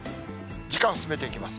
時間進めていきます。